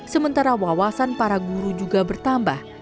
sementara wawasan para guru juga bertambah